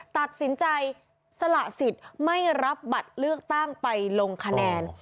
ตัดสินใจสละสิทธิ์ไม่รับบัตรเลือกตั้งไปลงคะแนน